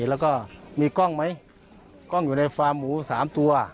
แล้วก็มีกล้องไหมกล้องอยู่ในฟาร์มหมู๓ตัว